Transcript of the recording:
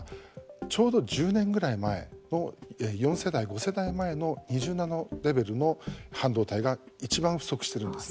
ちょうど１０年ぐらい前の４世代、５世代前の２０ナノレベルの半導体がいちばん不足しているんです。